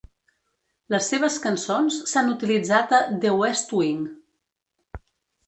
Les seves cançons s"han utilitzat a "The West Wing".